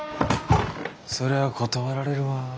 そりゃ断られるわ。